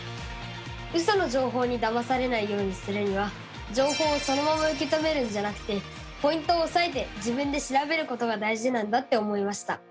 ウソの情報にだまされないようにするには情報をそのまま受け止めるんじゃなくてポイントをおさえて自分で調べることが大事なんだって思いました！